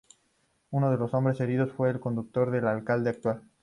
Uno de los hombres heridos fue el conductor del alcalde actual.